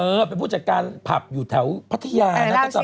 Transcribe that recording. เป็นผู้จัดการผับอยู่แถวพัทยานะ